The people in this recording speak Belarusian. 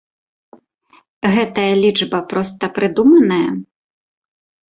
Гэтая лічба проста прыдуманая?